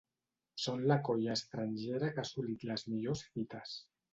Són la colla estrangera que ha assolit les millors fites.